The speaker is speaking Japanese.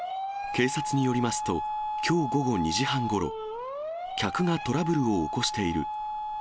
警察によりますと、きょう午後２時半ごろ、客がトラブルを起こしている。